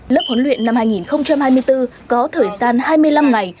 lớp huấn luyện năm hai nghìn hai mươi bốn có thời gian hai mươi năm ngày